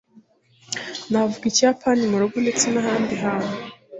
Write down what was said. Ntavuga Ikiyapani murugo ndetse n'ahandi hantu.